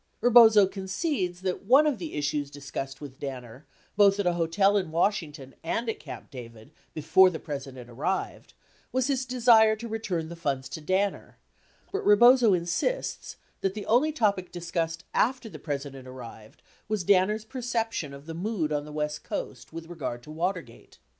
Rebozo concedes that one of the issues discussed with Danner both at a hotel in Wash ington and at Camp David before the President arrived was his desire to return the funds to Danner, but Rebozo insists that the only topic discussed after the President arrived was Danner's perception of the mood on the west coast with regard to Watergate.